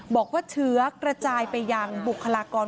บอกว่าเชื้อกระจายไปยังบุคลากร